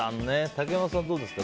竹山さん、どうですか？